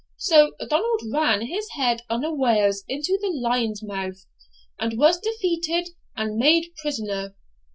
So Donald ran his head unawares into the lion's mouth, and was defeated and made prisoner.